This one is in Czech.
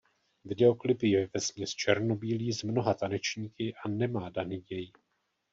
Videoklip je vesměs černobílý s mnoha tanečníky a nemá daný děj.